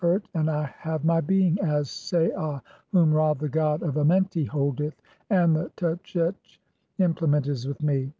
325 "urt, and I have my being (18) as Saa whom Ra the god of "Amenti, holdeth (?); and the tchetch implement is with me.